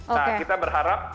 nah kita berharap